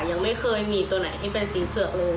ยังไม่เคยมีตัวไหนที่เป็นสีเผือกเลย